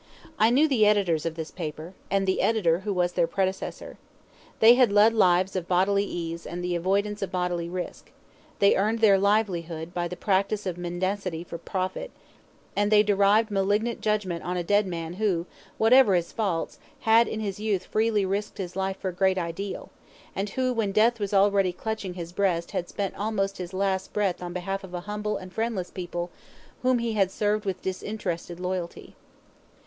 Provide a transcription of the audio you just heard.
I knew the editors of this paper, and the editor who was their predecessor. They had led lives of bodily ease and the avoidance of bodily risk; they earned their livelihood by the practice of mendacity for profit; and they delivered malignant judgment on a dead man who, whatever his faults, had in his youth freely risked his life for a great ideal, and who when death was already clutching his breast had spent almost his last breath on behalf of humble and friendless people whom he had served with disinterested loyalty.